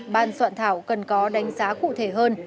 ban soạn thảo cần có đánh giá cụ thể hơn